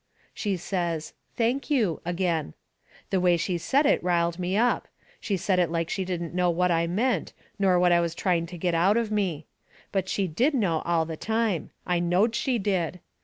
She says, "Thank you," agin. The way she said it riled me up. She said it like she didn't know what I meant, nor what I was trying to get out of me. But she did know all the time. I knowed she did.